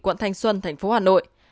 quận thanh xuân tp hà nội